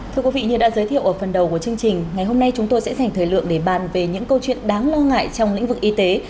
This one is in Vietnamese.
thưa quý vị như đã giới thiệu ở phần đầu của chương trình ngày hôm nay chúng tôi sẽ dành thời lượng để bàn về những câu chuyện đáng lo ngại trong lĩnh vực y tế